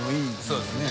そうですね。